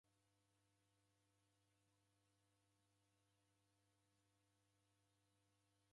Aho andu kobonywa kiw'acha cha maza ra mizango.